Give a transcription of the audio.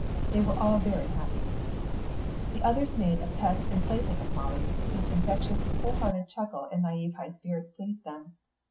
They were all very happy. The others made a pet and plaything of Molly, whose infectious, whole hearted chuckle and naïve high spirits pleased them.